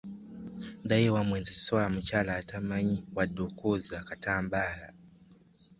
Ddayo ewammwe nze sisobola mukyala atamanyi wadde okwoza akatambaala.